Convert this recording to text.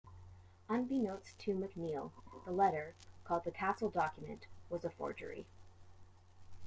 Unbeknownst to MacNeill, the letter-called the Castle Document-was a forgery.